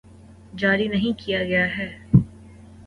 جاری نہیں کیا گیا ہے